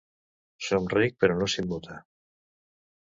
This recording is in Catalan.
Somric però no s'immuta.